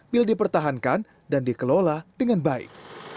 bill dipertahankan dan dikelola dengan baik